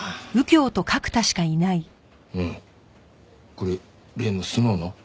これ例のスノウの？